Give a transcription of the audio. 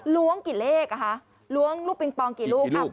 ล้วงกี่เลขอ่ะคะล้วงลูกปิงปองกี่ลูก